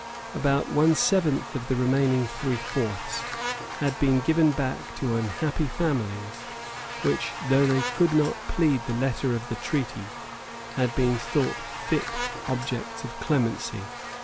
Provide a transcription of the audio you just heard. About one seventh of the remaining three fourths had been given back to unhappy families, which, though they could not plead the letter of the treaty, had been thought fit objects of clemency.